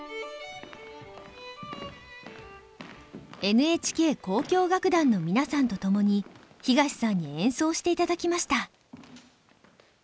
ＮＨＫ交響楽団の皆さんと共に東さんに演奏していただきました。